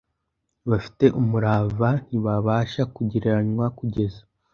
bafite umurava ntibibasha kugereranywa kugeza